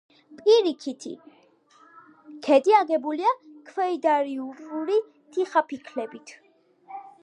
პირიქითი ქედი აგებულია ქვედაიურული თიხაფიქლებით.